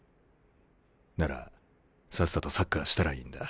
ならさっさとサッカーしたらいいんだ。